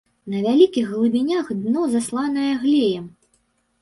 На вялікіх глыбінях дно засланае глеем.